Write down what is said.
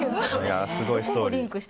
すごいストーリー。